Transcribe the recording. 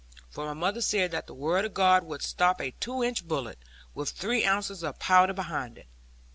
For my mother said that the Word of God would stop a two inch bullet, with three ounces of powder behind it.